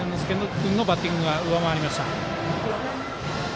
君のバッティングが上回りました。